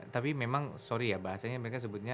tapi memang sorry ya bahasanya mereka sebutnya